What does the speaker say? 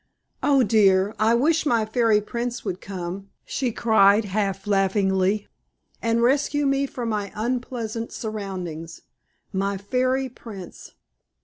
"Oh, dear! I wish my fairy prince would come!" she cried, half laughingly, "and rescue me from my unpleasant surroundings. My fairy prince!